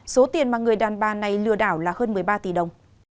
số tiền mà người đàn bà này lừa đảo là hơn một mươi ba tỷ đồng